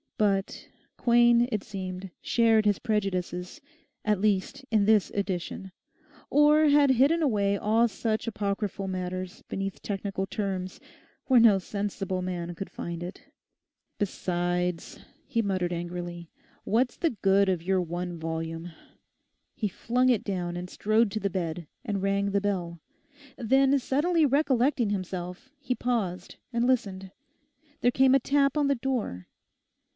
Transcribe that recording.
But Quain, it seemed, shared his prejudices, at least in this edition, or had hidden away all such apocryphal matter beneath technical terms, where no sensible man could find it, 'Besides,' he muttered angrily, 'what's the good of your one volume?' He flung it down and strode to the bed, and rang the bell. Then suddenly recollecting himself, he paused and listened. There came a tap on the door.